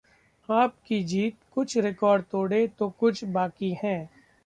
आप की जीत: कुछ रिकॉर्ड तोड़े तो कुछ बाकी हैं...